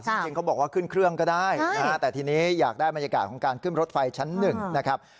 จริงเขาบอกว่าขึ้นเครื่องก็ได้นะฮะแต่ทีนี้อยากได้บรรยากาศของการขึ้นรถไฟชั้นหนึ่งนะครับ